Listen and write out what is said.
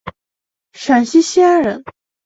陕西西安人。